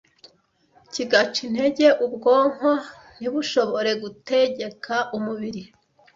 kigaca intege ubwonko ntibushobore gutegeka umubiri